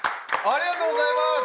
ありがとうございます！